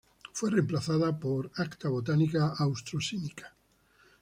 Fue reemplazada por "Acta botanica austro sinica".